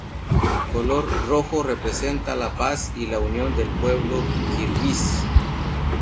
El color rojo representa la paz y la unión del pueblo kirguís.